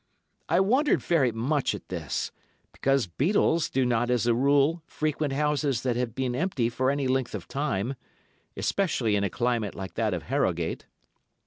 I wondered very much at this, because beetles do not as a rule frequent houses that have been empty for any length of time, especially in a climate like that of Harrogate.